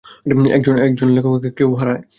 একজন লেখককে কেউ হারায়?